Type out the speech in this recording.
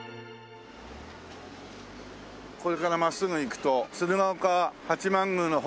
これから真っすぐ行くと鶴岡八幡宮の方。